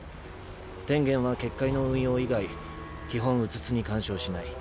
天元は結界の運用以外基本うつつに干渉しない。